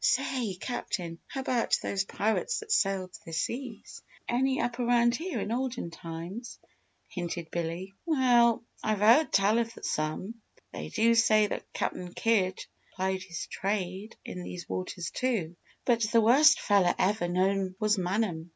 "Say, Captain, how about those pirates that sailed the seas any up around here in olden times?" hinted Billy. "We ll, I've hearn tell of some. They do say that Cap'n Kidd plied his trade in these waters, too. But the worst feller ever known was Manum.